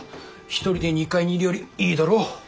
１人で２階にいるよりいいだろ。